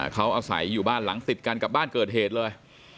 เขาอาศัยอยู่บ้านหลังติดกันกับบ้านเกิดเหตุเลย